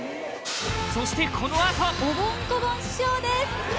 そしてこのあと！おぼん・こぼん師匠です